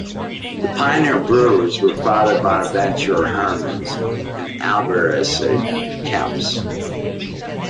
The pioneer brewers were Father Bonaventura Hermans and Albericus Kemps.